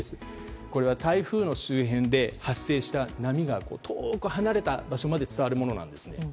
これは台風の周辺で発生した波が遠く離れた場所まで伝わるものなんです。